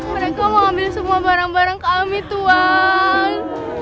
mereka mengambil semua barang barang kami tuhan